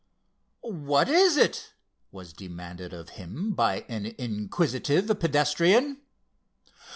"What is it?" was demanded of him by an inquisitive pedestrian.